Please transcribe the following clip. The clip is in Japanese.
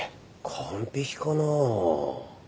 完璧かなぁ。